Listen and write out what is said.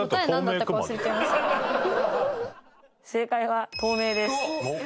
正解は透明です。